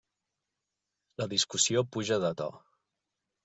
La discussió puja de to.